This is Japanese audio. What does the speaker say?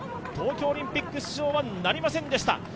東京オリンピック出場はなりませんでした。